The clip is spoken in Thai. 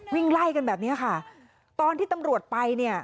วิ่งไล่กันแบบเนี้ยค่ะตอนที่ตำรวจไปเนี่ย